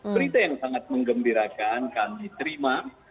berita yang sangat mengembirakan kami terima